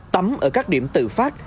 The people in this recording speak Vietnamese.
tắm ở các điểm tự phát